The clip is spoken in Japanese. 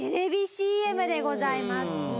ＣＭでございます。